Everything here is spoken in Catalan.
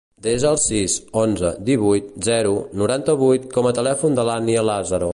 Desa el sis, onze, divuit, zero, noranta-vuit com a telèfon de l'Ànnia Lazaro.